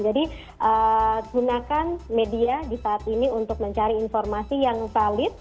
jadi gunakan media di saat ini untuk mencari informasi yang valid